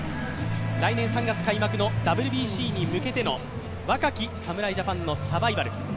来年３月開幕のＷＢＣに向けての若き侍ジャパンのサバイバル。